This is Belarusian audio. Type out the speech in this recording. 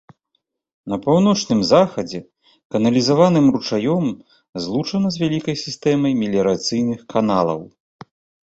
На паўночным захадзе каналізаваным ручаём злучана з вялікай сістэмай меліярацыйных каналаў.